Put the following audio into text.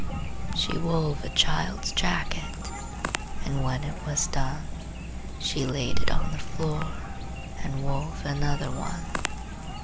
She wove a child's jacket, And when it was done She laid it on the floor And wove another one.